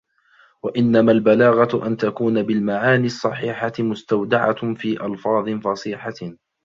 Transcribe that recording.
وَإِنَّمَا الْبَلَاغَةُ أَنْ تَكُونَ بِالْمَعَانِي الصَّحِيحَةِ مُسْتَوْدَعَةٌ فِي أَلْفَاظٍ فَصَيْحَةٍ